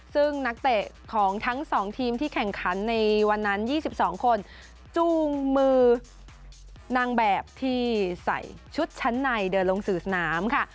ซึ่งนักเตะของทั้ง๒ทีมที่แข่งขันในวันนั้น๒๒คนจูงมือนางแบบที่ใส่ชุดชั้นในเดินลงสู่สนามค่ะ